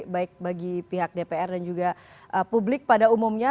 baik bagi pihak dpr dan juga publik pada umumnya